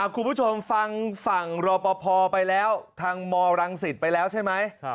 คุณผู้ชมฟังฝั่งรอปภไปแล้วทางมรังสิตไปแล้วใช่ไหม